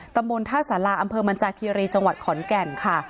ตำบลท่าสาราอำเภอมันจาคีรีจังหวัดขอนแก่นค่ะ